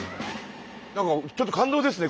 なんかちょっと感動ですね